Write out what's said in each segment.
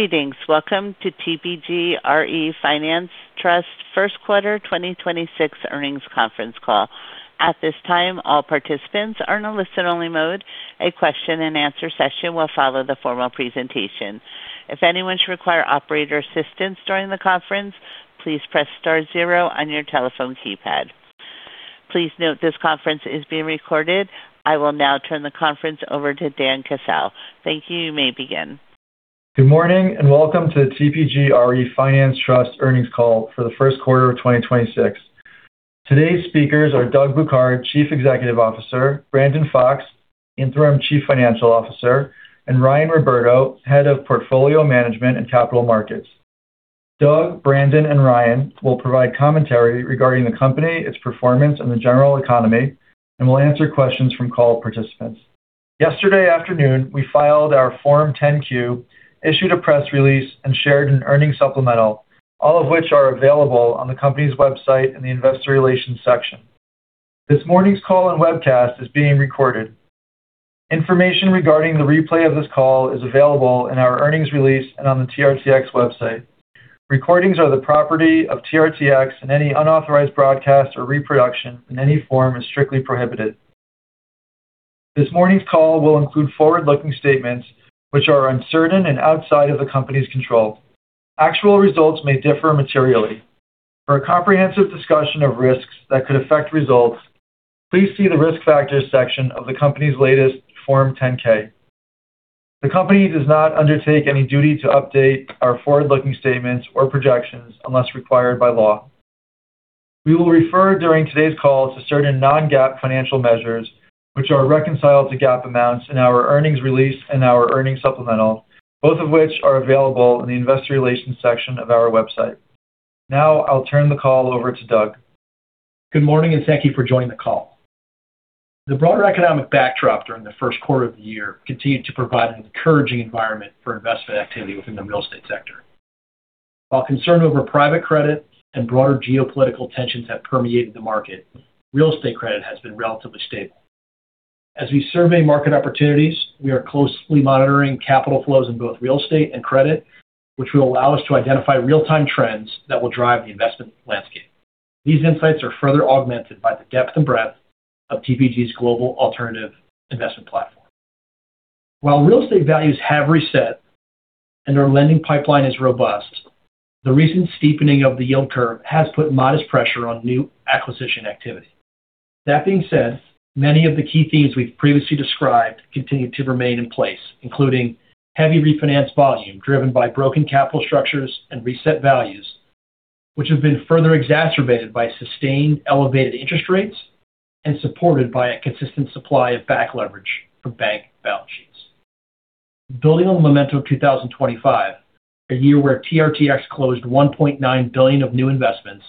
Greetings. Welcome to TPG RE Finance Trust First Quarter 2026 Earnings Conference Call. At this time, all participants are in a listen-only mode. A question-and-answer session will follow the formal presentation. If anyone should require operator assistance during the conference, please press star zero on your telephone keypad. Please note this conference is being recorded. I will now turn the conference over to Dan Kasell. Thank you. You may begin. Good morning, welcome to the TPG RE Finance Trust earnings call for the first quarter of 2026. Today's speakers are Doug Bouquard, Chief Executive Officer, Brandon Fox, Interim Chief Financial Officer, and Ryan Roberto, Head of Portfolio Management and Capital Markets. Doug, Brandon, and Ryan will provide commentary regarding the company, its performance, and the general economy, and will answer questions from call participants. Yesterday afternoon, we filed our Form 10-Q, issued a press release, and shared an earnings supplemental, all of which are available on the company's website in the Investor Relations section. This morning's call and webcast is being recorded. Information regarding the replay of this call is available in our earnings release and on the TRTX website. Recordings are the property of TRTX, and any unauthorized broadcast or reproduction in any form is strictly prohibited. This morning's call will include forward-looking statements which are uncertain and outside of the company's control. Actual results may differ materially. For a comprehensive discussion of risks that could affect results, please see the Risk Factors section of the company's latest Form 10-K. The company does not undertake any duty to update our forward-looking statements or projections unless required by law. We will refer during today's call to certain non-GAAP financial measures, which are reconciled to GAAP amounts in our earnings release and our earnings supplemental, both of which are available in the investor relations section of our website. Now I'll turn the call over to Doug. Good morning, and thank you for joining the call. The broader economic backdrop during the first quarter of the year continued to provide an encouraging environment for investment activity within the real estate sector. While concern over private credit and broader geopolitical tensions have permeated the market, real estate credit has been relatively stable. As we survey market opportunities, we are closely monitoring capital flows in both real estate and credit, which will allow us to identify real-time trends that will drive the investment landscape. These insights are further augmented by the depth and breadth of TPG's global alternative investment platform. While real estate values have reset and our lending pipeline is robust, the recent steepening of the yield curve has put modest pressure on new acquisition activity. That being said, many of the key themes we've previously described continue to remain in place, including heavy refinance volume driven by broken capital structures and reset values, which have been further exacerbated by sustained elevated interest rates and supported by a consistent supply of back leverage from bank balance sheets. Building on the momentum of 2025, a year where TRTX closed $1.9 billion of new investments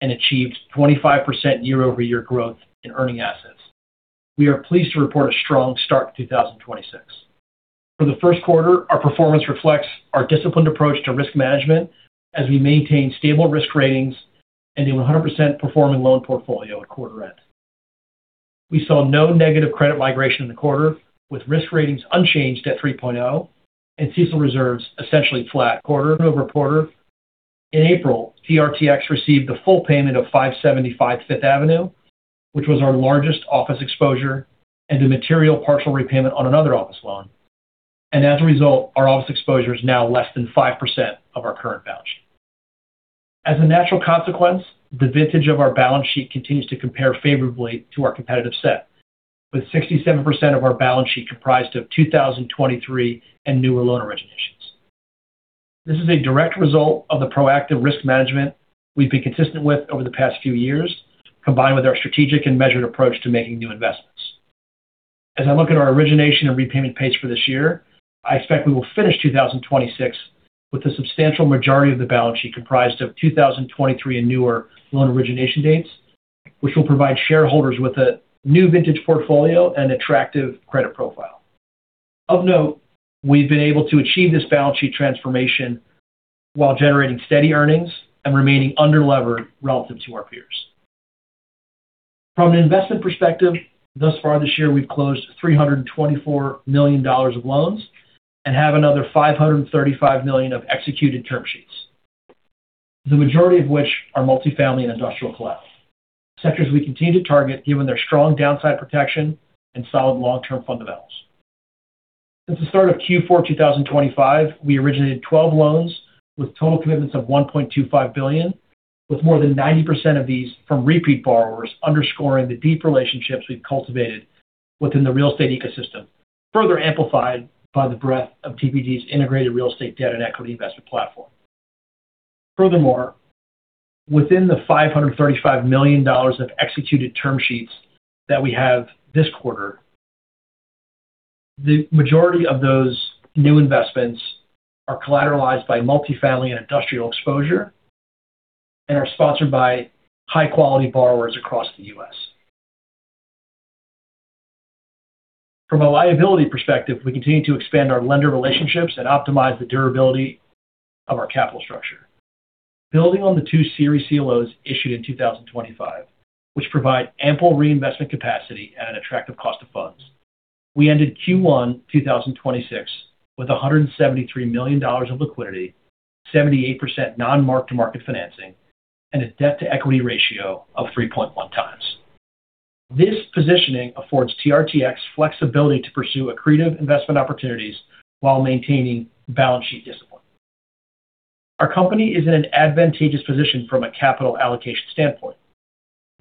and achieved 25% year-over-year growth in earning assets, we are pleased to report a strong start to 2026. For the first quarter, our performance reflects our disciplined approach to risk management as we maintain stable risk ratings and a 100% performing loan portfolio at quarter end. We saw no negative credit migration in the quarter, with risk ratings unchanged at 3.0 and CECL reserves essentially flat quarter-over-quarter. In April, TRTX received the full payment of 575 Fifth Avenue, which was our largest office exposure, and a material partial repayment on another office loan. As a result, our office exposure is now less than 5% of our current balance sheet. As a natural consequence, the vintage of our balance sheet continues to compare favorably to our competitive set, with 67% of our balance sheet comprised of 2023 and newer loan originations. This is a direct result of the proactive risk management we've been consistent with over the past few years, combined with our strategic and measured approach to making new investments. As I look at our origination and repayment pace for this year, I expect we will finish 2026 with a substantial majority of the balance sheet comprised of 2023 and newer loan origination dates, which will provide shareholders with a new vintage portfolio and attractive credit profile. Of note, we've been able to achieve this balance sheet transformation while generating steady earnings and remaining underlevered relative to our peers. From an investment perspective, thus far this year we've closed $324 million of loans and have another $535 million of executed term sheets, the majority of which are multifamily and industrial collateral, sectors we continue to target given their strong downside protection and solid long-term fundamentals. Since the start of Q4 2025, we originated 12 loans with total commitments of $1.25 billion, with more than 90% of these from repeat borrowers underscoring the deep relationships we've cultivated within the real estate ecosystem, further amplified by the breadth of TPG's integrated real estate debt and equity investment platform. Within the $535 million of executed term sheets that we have this quarter, the majority of those new investments are collateralized by multifamily and industrial exposure and are sponsored by high-quality borrowers across the U.S. From a liability perspective, we continue to expand our lender relationships and optimize the durability of our capital structure--building on the two series CLOs issued in 2025, which provide ample reinvestment capacity at an attractive cost of funds. We ended Q1 2026 with $173 million of liquidity, 78% non-mark-to-market financing, and a debt-to-equity ratio of 3.1 times. This positioning affords TRTX flexibility to pursue accretive investment opportunities while maintaining balance sheet discipline. Our company is in an advantageous position from a capital allocation standpoint.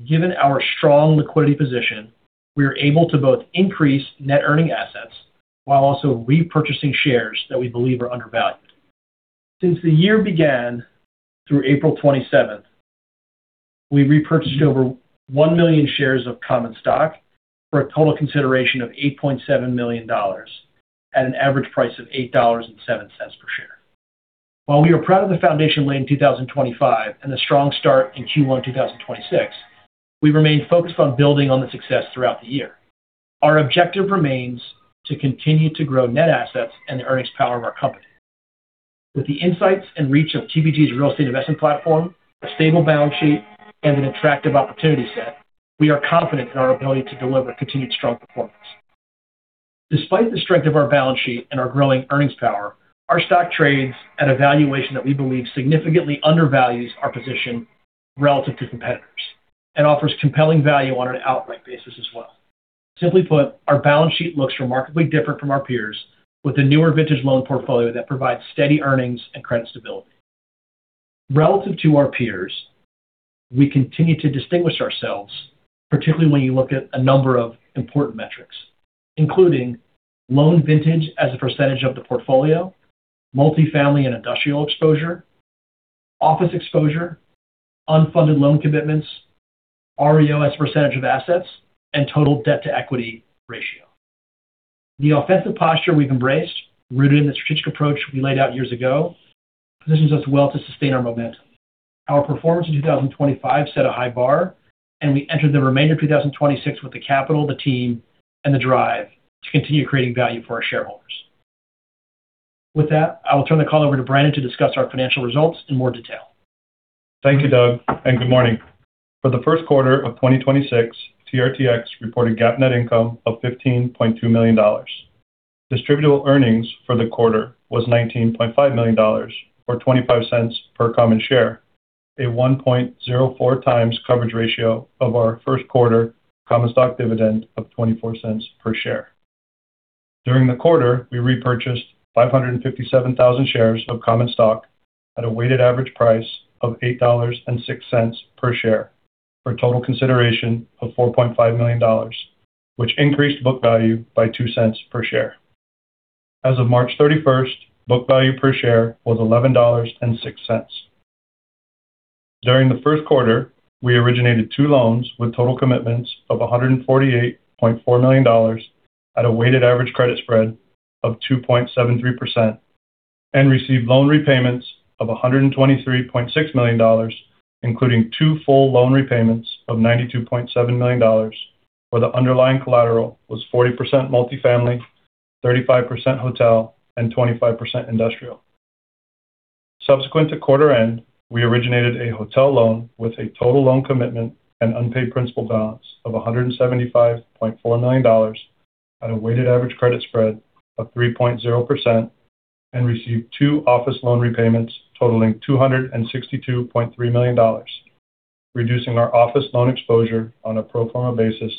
Given our strong liquidity position, we are able to both increase net earning assets while also repurchasing shares that we believe are undervalued. Since the year began through April 27th, we repurchased over 1 million shares of common stock for a total consideration of $8.7 million at an average price of $8.07 per share. While we are proud of the foundation laid in 2025 and the strong start in Q1 2026, we remain focused on building on the success throughout the year. Our objective remains to continue to grow net assets and the earnings power of our company. With the insights and reach of TPG's real estate investment platform, a stable balance sheet, and an attractive opportunity set, we are confident in our ability to deliver continued strong performance. Despite the strength of our balance sheet and our growing earnings power, our stock trades at a valuation that we believe significantly undervalues our position relative to competitors and offers compelling value on an outright basis as well. Simply put, our balance sheet looks remarkably different from our peers with a newer vintage loan portfolio that provides steady earnings and credit stability. Relative to our peers, we continue to distinguish ourselves, particularly when you look at a number of important metrics, including loan vintage as a percentage of the portfolio, multifamily and industrial exposure, office exposure, unfunded loan commitments, REO as a percentage of assets, and total debt-to-equity ratio. The offensive posture we've embraced, rooted in the strategic approach we laid out years ago, positions us well to sustain our momentum. Our performance in 2025 set a high bar, and we enter the remainder of 2026 with the capital, the team, and the drive to continue creating value for our shareholders. With that, I will turn the call over to Brandon to discuss our financial results in more detail. Thank you, Doug, and good morning. For the first quarter of 2026, TRTX reported GAAP net income of $15.2 million. Distributable Earnings for the quarter was $19.5 million, or $0.25 per common share, a 1.04x coverage ratio of our first quarter common stock dividend of $0.24 per share. During the quarter, we repurchased 557,000 shares of common stock at a weighted average price of $8.06 per share for a total consideration of $4.5 million, which increased book value by $0.02 per share. As of March 31st, book value per share was $11.06. During the first quarter, we originated two loans with total commitments of $148.4 million at a weighted average credit spread of 2.73% and received loan repayments of $123.6 million, including two full loan repayments of $92.7 million, where the underlying collateral was 40% multifamily, 35% hotel, and 25% industrial. Subsequent to quarter end, we originated a hotel loan with a total loan commitment and unpaid principal balance of $175.4 million at a weighted average credit spread of 3.0% and received two office loan repayments totaling $262.3 million, reducing our office loan exposure on a pro forma basis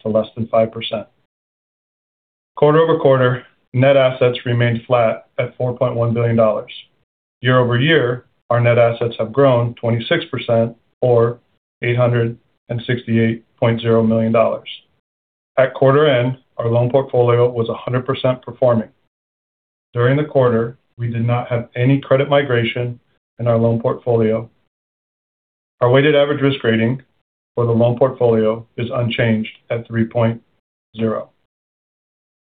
to less than 5%. Quarter-over-quarter, net assets remained flat at $4.1 billion. Year-over-year, our net assets have grown 26% or $868.0 million. At quarter end, our loan portfolio was 100% performing. During the quarter, we did not have any credit migration in our loan portfolio. Our weighted average risk rating for the loan portfolio is unchanged at 3.0.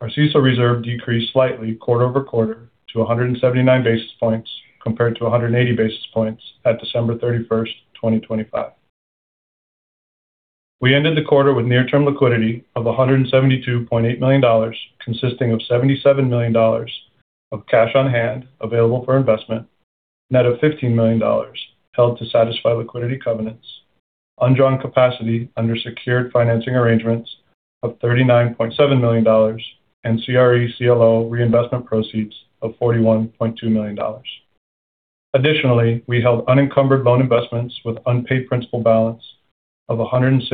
Our CECL reserve decreased slightly quarter-over-quarter to 179 basis points compared to 180 basis points at December 31st, 2025. We ended the quarter with near-term liquidity of $172.8 million, consisting of $77 million of cash on hand available for investment, net of $15 million held to satisfy liquidity covenants, undrawn capacity under secured financing arrangements of $39.7 million, and CRE CLO reinvestment proceeds of $41.2 million. Additionally, we held unencumbered loan investments with unpaid principal balance of $106.8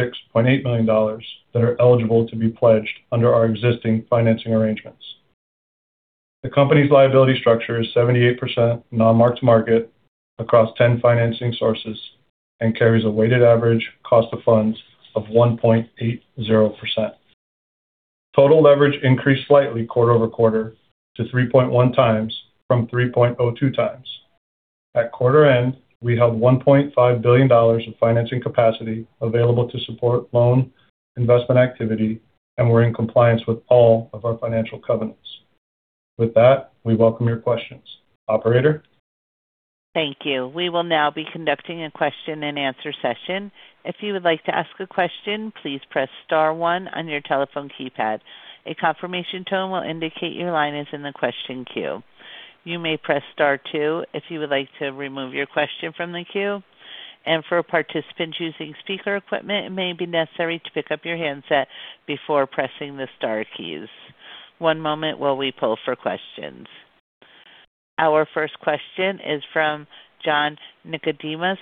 million that are eligible to be pledged under our existing financing arrangements. The company's liability structure is 78% non-mark-to-market across 10 financing sources and carries a weighted average cost of funds of 1.80%. Total leverage increased slightly quarter-over-quarter to 3.1x from 3.02x. At quarter end, we held $1.5 billion of financing capacity available to support loan investment activity. We're in compliance with all of our financial covenants. With that, we welcome your questions. Operator? Thank you. We will now be conducting a question and answer session. If you would like to ask a question please press star one on your telephone keypad. A confirmation tone will indicate your line is in the question queue. You may press star two if you would like to remove your question from the queue. For our participants choosing speaker equipment, it may be necessary to pickup your handset before pressing the star keys. One moment while we pull for questions. Our first question is from John Nickodemus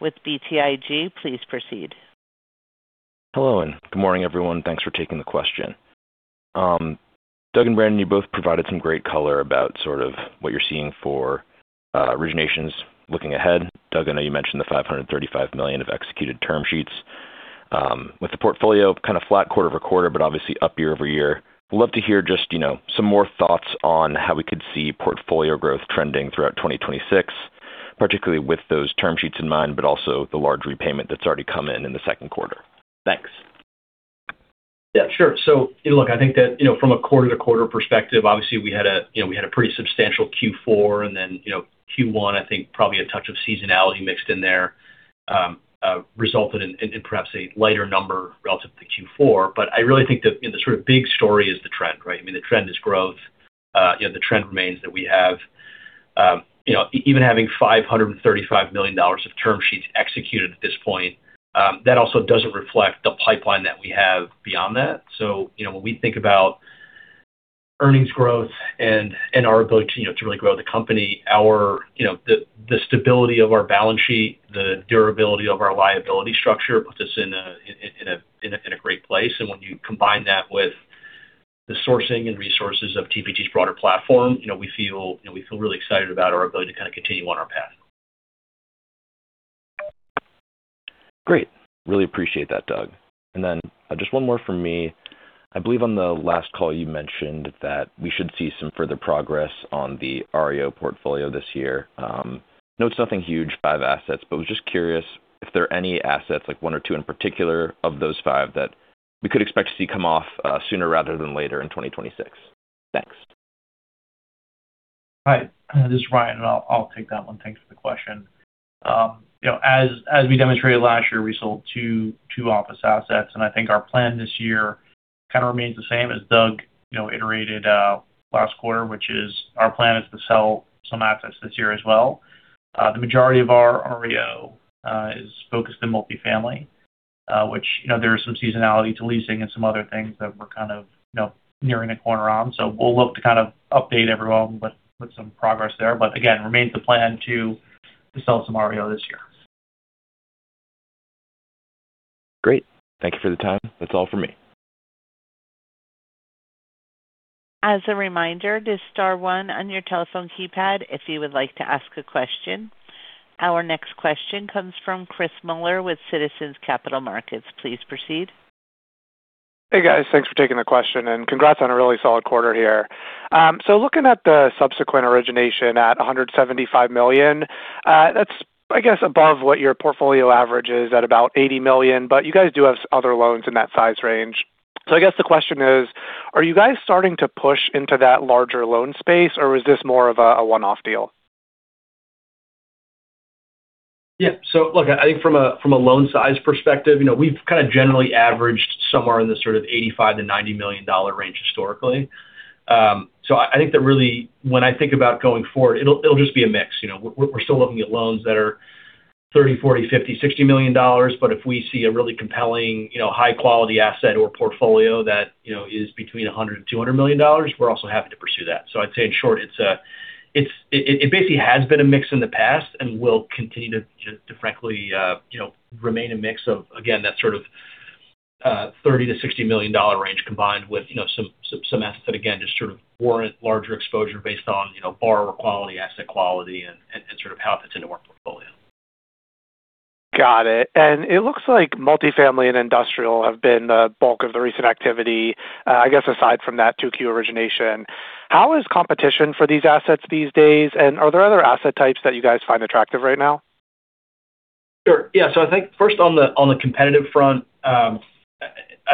with BTIG. Please proceed. Hello, good morning, everyone. Thanks for taking the question. Doug and Brandon, you both provided some great color about sort of what you're seeing for originations looking ahead. Doug, I know you mentioned the $535 million of executed term sheets. With the portfolio kind of flat quarter-over-quarter, but obviously up year-over-year, would love to hear just, you know, some more thoughts on how we could see portfolio growth trending throughout 2026, particularly with those term sheets in mind, but also the large repayment that's already come in in the second quarter. Thanks. You know, look, I think that, you know, from a quarter-over-quarter perspective, obviously we had a, you know, pretty substantial Q4, you know, Q1, I think probably a touch of seasonality mixed in there, resulted in perhaps a lighter number relative to Q4. I really think the sort of big story is the trend, right? I mean, the trend is growth. You know, the trend remains that we have, you know, even having $535 million of term sheets executed at this point, that also doesn't reflect the pipeline that we have beyond that. You know, when we think about earnings growth and our ability to, you know, to really grow the company, our, you know, the stability of our balance sheet, the durability of our liability structure puts us in a great place. When you combine that with the sourcing and resources of TPG's broader platform, you know, we feel, you know, we feel really excited about our ability to kind of continue on our path. Great. Really appreciate that, Doug. Just one more from me. I believe on the last call you mentioned that we should see some further progress on the REO portfolio this year. I know it's nothing huge, five assets, but was just curious if there are any assets, like one or two in particular of those five, that we could expect to see come off sooner rather than later in 2026. Thanks. Hi, this is Ryan, and I'll take that one. Thanks for the question. You know, as we demonstrated last year, we sold two office assets, and I think our plan this year kind of remains the same as Doug, you know, iterated last quarter, which is our plan is to sell some assets this year as well. The majority of our REO is focused in multifamily, which, you know, there is some seasonality to leasing and some other things that we're kind of, you know, nearing a corner on. We'll look to kind of update everyone with some progress there. Again, remains the plan to sell some REO this year. Great. Thank you for the time. That's all for me. As a reminder to star one on your telephone keypad if you would like to ask a question. Our next question comes from Chris Muller with Citizens Capital Markets. Please proceed. Hey, guys. Thanks for taking the question. Congrats on a really solid quarter here. Looking at the subsequent origination at $175 million, that's I guess above what your portfolio average is at about $80 million. You guys do have other loans in that size range. I guess the question is, are you guys starting to push into that larger loan space, or was this more of a one-off deal? Yeah. Look, I think from a, from a loan size perspective, you know, we've kind of generally averaged somewhere in the $85 million and $90 million range historically. I think that really when I think about going forward, it'll just be a mix. You know, we're still looking at loans that are $30 million, $40 million, $50 million, $60 million. If we see a really compelling, you know, high-quality asset or portfolio that, you know, is between $100 million-$200 million, we're also happy to pursue that. I'd say in short it basically has been a mix in the past and will continue to frankly, you know, remain a mix of, again, that sort of, $30 million-$60 million range combined with, you know, some assets that again just sort of warrant larger exposure based on, you know, borrower quality, asset quality, and sort of how it fits into our portfolio. Got it. It looks like multifamily and industrial have been the bulk of the recent activity. I guess aside from that 2Q origination, how is competition for these assets these days, and are there other asset types that you guys find attractive right now? Sure, yeah. I think first on the, on the competitive front, I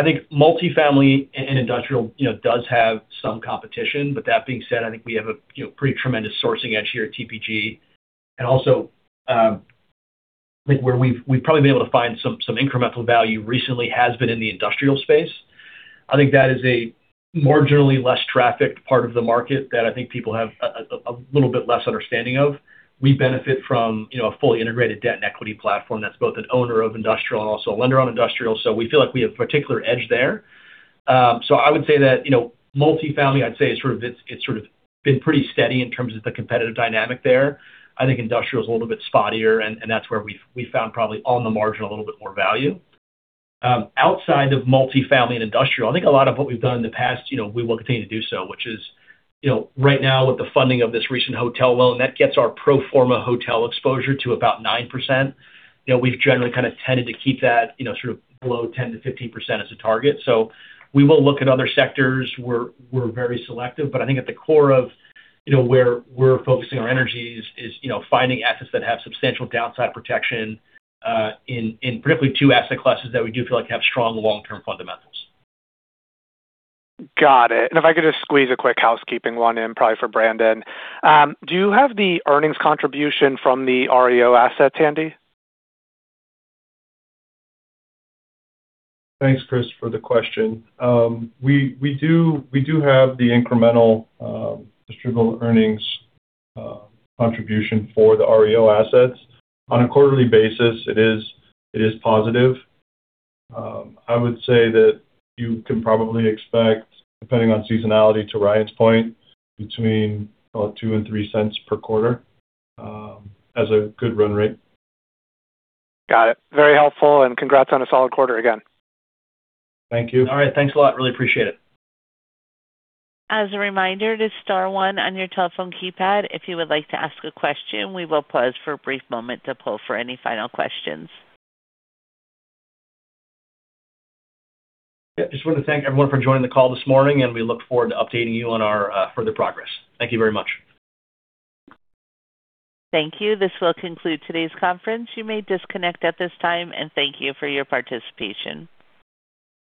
think multifamily and industrial, you know, does have some competition. That being said, I think we have a, you know, pretty tremendous sourcing edge here at TPG. Also, like where we've probably been able to find some incremental value recently has been in the industrial space. I think that is a marginally less trafficked part of the market that I think people have a little bit less understanding of. We benefit from, you know, a fully integrated debt and equity platform that's both an owner of industrial and also a lender on industrial. We feel like we have particular edge there. I would say that, you know, multifamily I'd say is sort of been pretty steady in terms of the competitive dynamic there. I think industrial is a little bit spottier, and that's where we found probably on the margin a little bit more value. Outside of multifamily and industrial, I think a lot of what we've done in the past, you know, we will continue to do so, which is, you know, right now with the funding of this recent hotel loan, that gets our pro forma hotel exposure to about 9%. You know, we've generally kind of tended to keep that, you know, sort of below 10%-15% as a target. We will look at other sectors. We're very selective, but I think at the core of, you know, where we're focusing our energies is, you know, finding assets that have substantial downside protection in particularly two asset classes that we do feel like have strong long-term fundamentals. Got it. If I could just squeeze a quick housekeeping one in, probably for Brandon. Do you have the earnings contribution from the REO assets handy? Thanks, Chris, for the question. We do have the incremental Distributable Earnings contribution for the REO assets. On a quarterly basis, it is positive. I would say that you can probably expect, depending on seasonality to Ryan's point, between about $0.02 and $0.03 per quarter as a good run rate. Got it. Very helpful. Congrats on a solid quarter again. Thank you. All right. Thanks a lot. Really appreciate it. As a reminder to star one on your telephone keypad, if you would like to ask a question. We will pause for a brief moment to pull for any final questions. Yeah. Just wanted to thank everyone for joining the call this morning. We look forward to updating you on our further progress. Thank you very much. Thank you. This will conclude today's conference. You may disconnect at this time. Thank you for your participation.